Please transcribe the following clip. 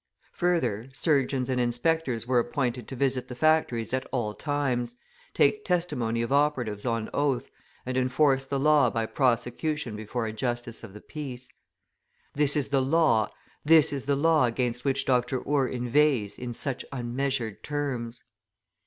Further, surgeons and inspectors were appointed to visit the factories at all times, take testimony of operatives on oath, and enforce the law by prosecution before a Justice of the Peace. This is the law against which Dr. Ure inveighs in such unmeasured terms!